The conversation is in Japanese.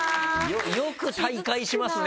よく退会しますよね